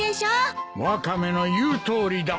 ワカメの言うとおりだ。